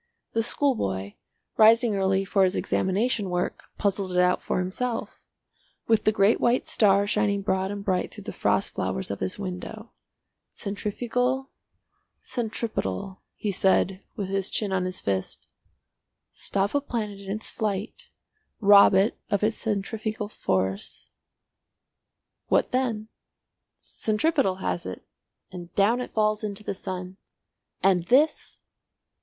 The schoolboy, rising early for his examination work, puzzled it out for himself—with the great white star shining broad and bright through the frost flowers of his window. "Centrifugal, centripetal," he said, with his chin on his fist. "Stop a planet in its flight, rob it of its centrifugal force, what then? Centripetal has it, and down it falls into the sun! And this—!